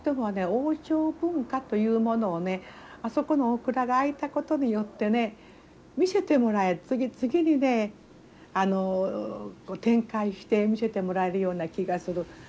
王朝文化というものをねあそこのお蔵が開いたことによってね見せてもらえ次々にねあの展開して見せてもらえるような気がする。